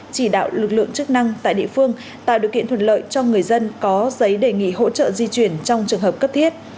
chỉ đạo lực lượng chức năng tại địa phương tạo điều kiện thuận lợi cho người dân có giấy đề nghị hỗ trợ di chuyển trong trường hợp cấp thiết